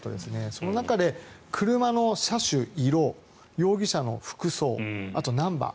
その中で車の車種、色、容疑者の服装あとナンバー。